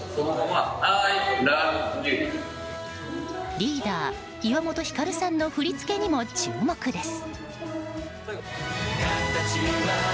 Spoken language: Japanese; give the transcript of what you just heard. リーダー、岩本照さんの振り付けにも注目です。